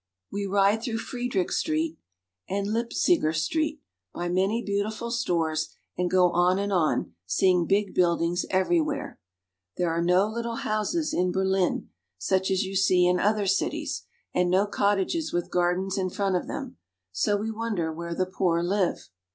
We ride through Friedrich (fred'rich) Street and Leip siger (llp'siker) Street, by many beautiful stores, and go on and on, seeing big buildings everywhere. There are no little houses in Berlin, such as you see in other cities, and no cottages with gardens in front of them, so we wonder where the poor live.